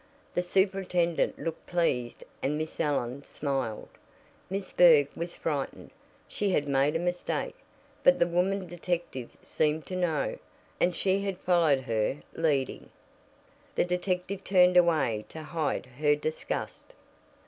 The superintendent looked pleased and Miss Allen smiled. Miss Berg was frightened she had made a mistake, but the woman detective seemed to know, and she had followed her leading. The detective turned away to hide her disgust.